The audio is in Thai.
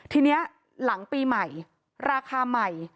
ทีนี้หลังปีใหม่ราคาใหม่